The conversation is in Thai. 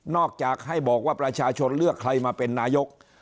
จากให้บอกว่าประชาชนเลือกใครมาเป็นนายก